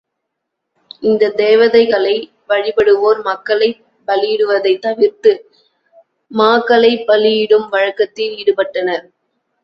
இந்தத் தேவதைகளை வழிபடுவோர் மக்களைப் பலியிடுவதைத் தவிர்த்து மாக்களைப் பலியிடும் வழக்கத்தில் ஈடுபட்டனர்.